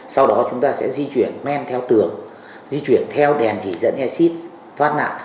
sau đó chúng ta sẽ di chuyển men theo tường di chuyển theo đèn chỉ dẫn ec thoát nạn